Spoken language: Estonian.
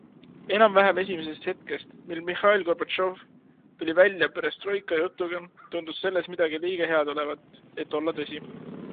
Enam-vähem esimesest hetkest, mil Mihhail Gorbatšov tuli välja perestroika jutuga, tundus selles midagi liiga head olevat, et olla tõsi.